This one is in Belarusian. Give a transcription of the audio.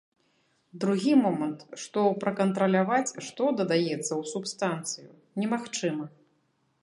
Другі момант, што пракантраляваць, што дадаецца ў субстанцыю, немагчыма.